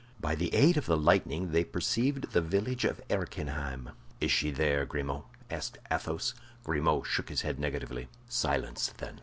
By the aid of the lightning they perceived the village of Erquinheim. "Is she there, Grimaud?" asked Athos. Grimaud shook his head negatively. "Silence, then!"